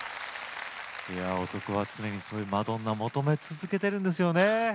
男は常にマドンナを求め続けているんですよね。